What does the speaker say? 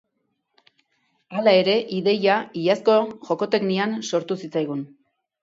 Hala ere, ideia iazko Jokoteknian sortu zitzaigun